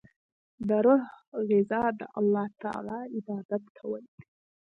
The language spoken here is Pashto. د روح غذا د الله تعالی عبادت کول دی.